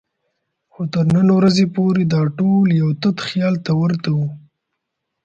خو تر نن ورځې پورې دا ټول یو تت خیال ته ورته وو.